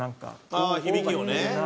ああー響きをね！